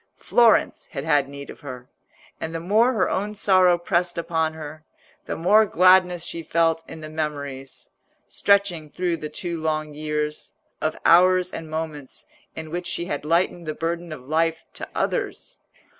Florence had had need of her, and the more her own sorrow pressed upon her, the more gladness she felt in the memories, stretching through the two long years, of hours and moments in which she had lightened the burden of life to others.